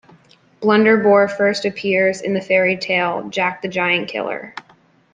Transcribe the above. Blunderbore first appears in the fairy tale "Jack the Giant-killer".